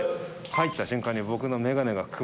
入った瞬間に。